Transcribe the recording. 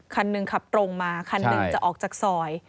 คันหนึ่งขับตรงมาคันหนึ่งจะออกจากซอย